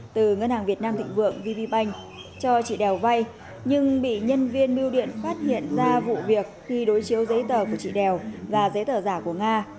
từ ngân hàng việt nam thịnh vượng vp banh cho chị đèo vay nhưng bị nhân viên biêu điện phát hiện ra vụ việc khi đối chiếu giấy tờ của chị đèo và giấy tờ giả của nga